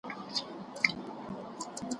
د جګړي پایلې ډېري ترخي دي.